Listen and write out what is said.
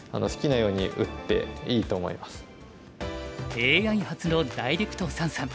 ＡＩ発のダイレクト三々。